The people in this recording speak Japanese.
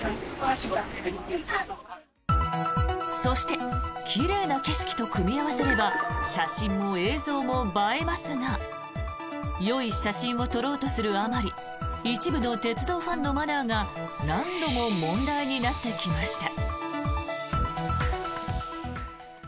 そして、奇麗な景色と組み合わせれば写真も映像も映えますがよい写真を撮ろうとするあまり一部の鉄道ファンのマナーが何度も問題になってきました。